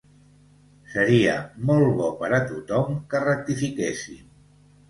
Seria molt bo per a tothom que rectifiquessin.